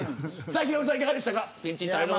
ヒロミさん、いかがでしたか。